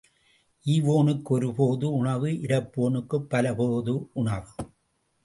ஈவோனுக்கு ஒரு போது உணவு இரப்போனுக்குப் பல போது உணவு.